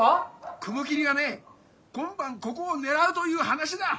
・雲霧がね今晩ここを狙うという話だ。